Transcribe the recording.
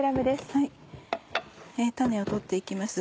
種を取って行きます。